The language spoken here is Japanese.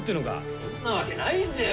そんなわけないぜよ。